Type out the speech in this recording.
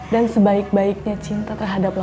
dan sebaik baiknya cinta terhadap allah